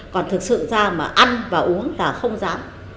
còn thực sự ra mà ăn và uống là không dám